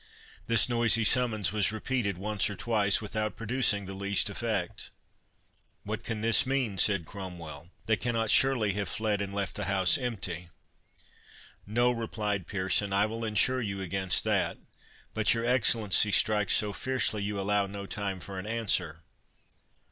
This noisy summons was repeated once or twice without producing the least effect. "What can this mean?" said Cromwell; "they cannot surely have fled, and left the house empty." "No," replied Pearson, "I will ensure you against that; but your Excellency strikes so fiercely, you allow no time for an answer.